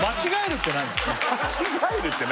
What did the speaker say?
間違えるって何？